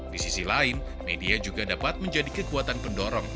di sisi lain media juga dapat menjadi kekuatan pendorong